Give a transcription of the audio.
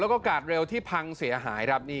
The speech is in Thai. และการ์ดเรลที่พังเสียหาย